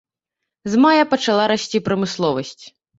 З мая пачала расці прамысловасць.